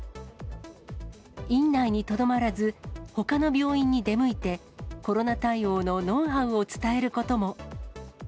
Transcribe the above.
院内にとどまらず、ほかの病院に出向いてコロナ対応のノウハウを伝えることも。